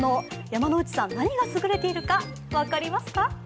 山内さん、何が優れているか分かりますか？